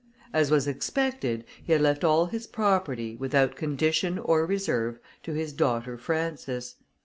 As was expected, he had left all his property, without condition or reserve, to his daughter Frances.